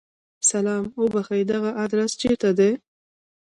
سلام! اوبښئ! دغه ادرس چیرته دی؟